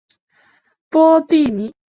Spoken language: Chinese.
波蒂尼。